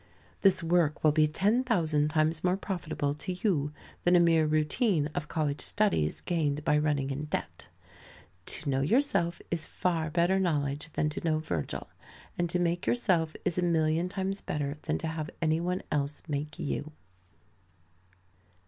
This work will be ten thousand times more profitable to you than a mere routine of college studies, gained by running in debt. To know yourself is far better knowledge than to know Virgil. And to make yourself is a million times better than to have any one else make you.